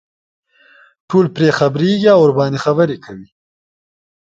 ټول پرې خبرېږي او ورباندې خبرې کوي.